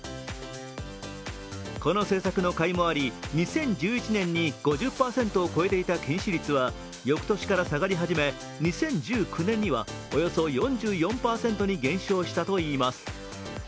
この政策のかいもあり、２０１１年に５０％を超えていた近視率は翌年から下がり始め、２０１９年にはおよそ４４％に減少したといいます。